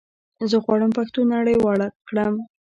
زه غواړم پښتو نړيواله کړم